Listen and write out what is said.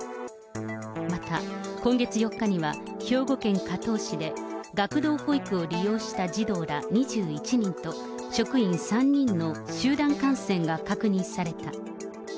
また、今月４日には、兵庫県加東市で、学童保育を利用した児童ら２１人と、職員３人の集団感染が確認された。